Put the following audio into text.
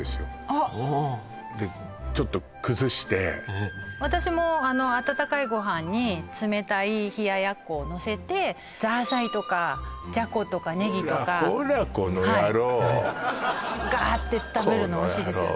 あっちょっと崩して私も温かいご飯に冷たい冷奴をのせてザーサイとかじゃことかネギとかほらこの野郎ガーッて食べるのおいしいですよね